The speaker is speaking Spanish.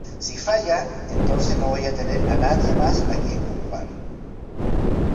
Si falla, entonces no voy a tener a nadie más a quien culpar".